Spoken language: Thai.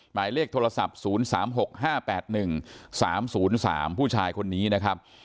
หมายเลขโทรศัพท์๐๓๖๕๘๑๓๐๓ผู้ชายคนนี้นะครับ